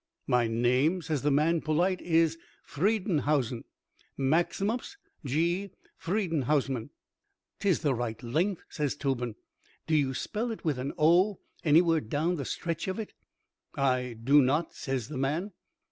"My name" says the man, polite, "is Friedenhausman—Maximus G. Friedenhausman." "'Tis the right length," says Tobin. "Do you spell it with an 'o' anywhere down the stretch of it?" "I do not," says the man.